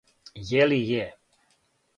Је ли је?